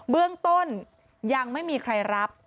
เบื้องต้นยังไม่มีใครรับ